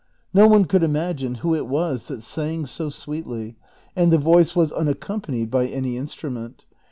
No one coiild imagine who it was that sang so sweetly, and the voice was unaccompanied by any instrument.